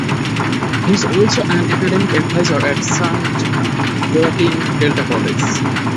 He is also an academic advisor at San Joaquin Delta College.